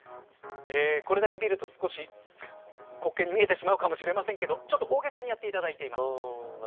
これだけ見ると、少し滑稽に見えてしまうかもしれませんけど大げさにやってもらっています。